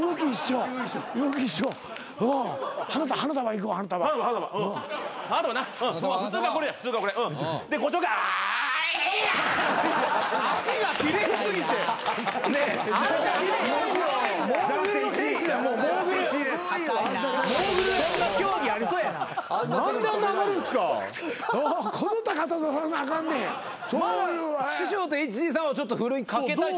師匠とＨＧさんはちょっとふるいに掛けたいというか。